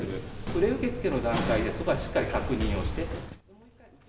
プレ受け付けの段階で、そこはしっかり確認をして。